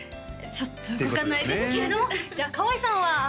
ちょっと分かんないですけどじゃあカワイさんは？